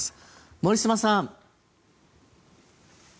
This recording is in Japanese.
森嶋さん。